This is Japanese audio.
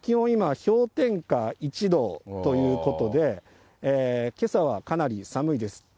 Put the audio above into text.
今、氷点下１度ということで、けさはかなり寒いです。